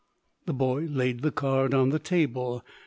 The boy laid the card on the table.